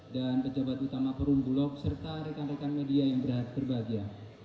dan pejabat utama perumbulok serta rekan rekan media yang berbahagia